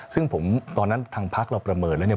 ซึ่งผมตอนนั้นทางพักเราประเมินแล้วเนี่ย